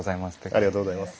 ありがとうございます。